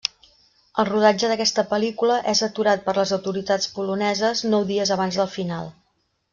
El rodatge d'aquesta pel·lícula és aturat per les autoritats poloneses nou dies abans del final.